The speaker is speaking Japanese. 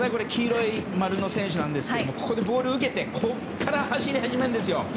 黄色い丸の選手なんですがここでボールを受けてここから走り始めるんですよ。